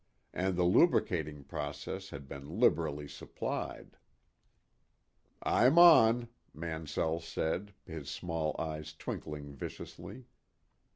And the lubricating process had been liberally supplied. "I'm on," Mansell said, his small eyes twinkling viciously.